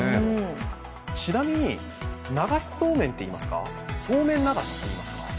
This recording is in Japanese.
ちなみに、流しそうめんって言いますか、そうめん流しって言いますか。